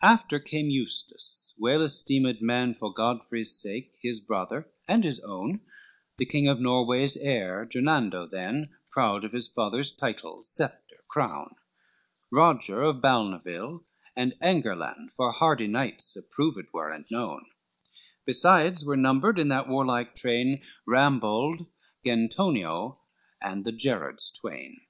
LIV After came Eustace, well esteemed man For Godfrey's sake his brother, and his own; The King of Norway's heir Gernando than, Proud of his father's title, sceptre, crown; Roger of Balnavill, and Engerlan, For hardy knights approved were and known; Besides were numbered in that warlike train Rambald, Gentonio, and the Gerrards twain.